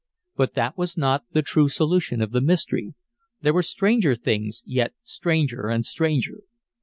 But that was not the true solution of the mystery; there were stranger things yet stranger and stranger.